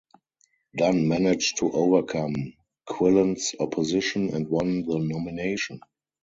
Dunn managed to overcome Quillen's opposition and won the nomination.